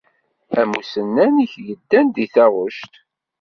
Am usennan i k-yeddan deg taɣect.